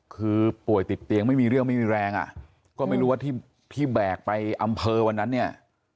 คือป่วยติดเตียงไม่มีเรื่องไม่มีแรงอ่ะก็ไม่รู้ว่าที่แบกไปอำเภอวันนั้นเนี่ย